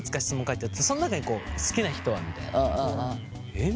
「えっ？」